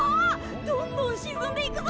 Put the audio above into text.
どんどん沈んでいくぞ。